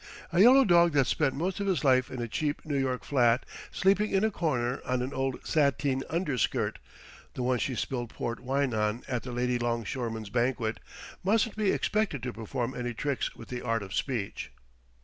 A yellow dog that's spent most of his life in a cheap New York flat, sleeping in a corner on an old sateen underskirt (the one she spilled port wine on at the Lady Longshoremen's banquet), mustn't be expected to perform any tricks with the art of speech.